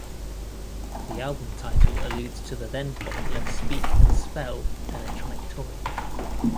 The album title alludes to the then-popular "Speak and Spell" electronic toy.